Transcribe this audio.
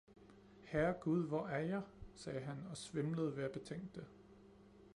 "Herregud, hvor er jeg!" sagde han og svimlede ved at betænke det.